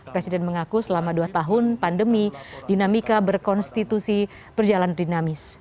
presiden mengaku selama dua tahun pandemi dinamika berkonstitusi berjalan dinamis